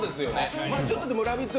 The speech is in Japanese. ちょっと「ラヴィット！」